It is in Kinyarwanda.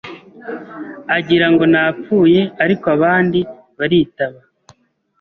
agirango napfuye ariko abandi baritaba